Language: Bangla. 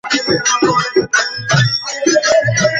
শুধু প্রথম লাইনেই নয়টা বানান ভুল।